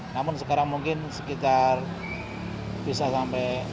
namun sekarang mungkin sekitar bisa sampai